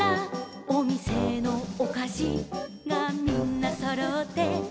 「おみせのおかしがみんなそろって」